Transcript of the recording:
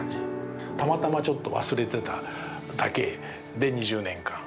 たまたまちょっと忘れてただけで２０年間。